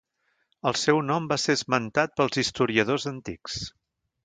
El seu nom va ser esmentat pels historiadors antics: